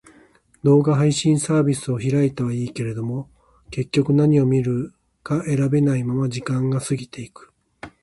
動画配信サービスを開いたはいいけど、結局何を見るか選べないまま時間が過ぎていく。